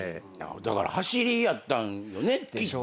だからはしりやったんよねきっと。